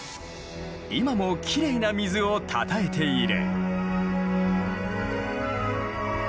今もきれいな水をたたえている。